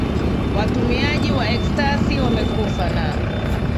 watumiaji wa ecstasy wamekufa Na